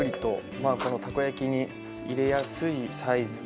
まあこのたこ焼きに入れやすいサイズで。